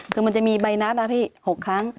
คือมันจะมีใบนัดนะพี่๖ครั้ง